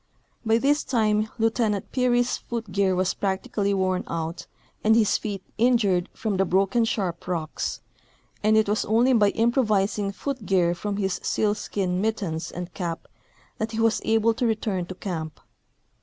By this time Lieu tenant Peary's foot gear was practically w^orn out and his feet injured from the broken sharp rocks, and it was only by im provising foot gear from his sealskin mittens and cap that he was able to return to camp.